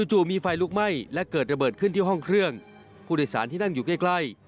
จู่มีไฟลุกไหม้และเกิดระเบิดขึ้นที่ห้องเครื่องผู้โดยสารที่นั่งอยู่ใกล้